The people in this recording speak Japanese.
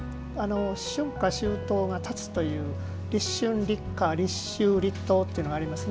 春夏秋冬が立つという立春、立夏、立秋、立冬というのがありますね。